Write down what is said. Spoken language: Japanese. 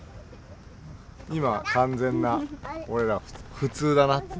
今、完全な俺ら普通だなって。